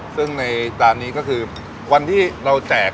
ซึ่งในจานนี้ก็คือวันที่เราแจก